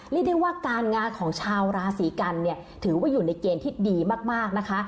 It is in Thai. เรียกได้ว่าการงานของชาวราศีกันเนี่ยถือว่าอยู่ในเกณฑ์ที่ดีมากนะคะ